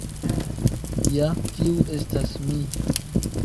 Ja, tiu estas mi.